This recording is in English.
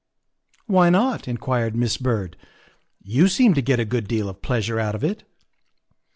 " Why not?" inquired Miss Byrd; " you seem to get a good deal of pleasure out of it."